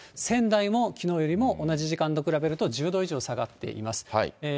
仙台もきのうよりも同じ時間と比べると１０度以上下がっています。